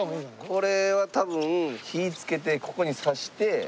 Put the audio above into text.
これは多分火つけてここに挿して。